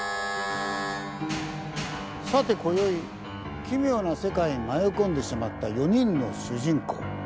さてこよい奇妙な世界に迷い込んでしまった４人の主人公。